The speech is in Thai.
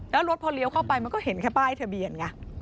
แล้วรถพอเลี้ยวเข้าไปมันก็เห็นแค่ป้ายทะเบียนไง